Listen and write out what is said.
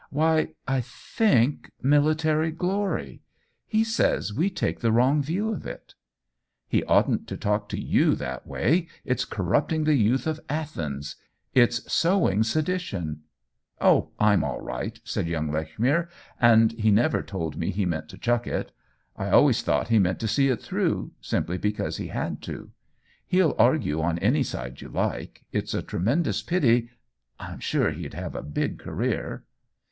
"Why, I think, military glory. He says we take the wrong view of it," "He oughtn't to talk to you that way. It's corrupting the youth of Athens. It's sowing sedition." "Oh, I'm all right!" said young Lech mere. " And he never told me he meant to chuck it. I always thought he meant to see it through, simply because he had to. He'll argue on any side you like. It's a tremen dous pity — I'm sure he'd have a big career.'